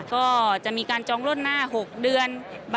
ก็จะมีการจองล่วงหน้า๖เดือน